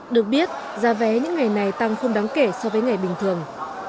được biết giá vé những ngày này tăng không đáng kể so với ngày bình thường